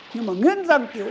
nhưng mà nguyên dân kiểu